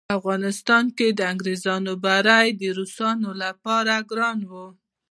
په افغانستان کې د انګریزانو بری د روسانو لپاره ګران وو.